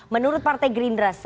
menurut partai gerindra